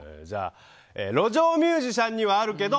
路上ミュージシャンにはあるけど。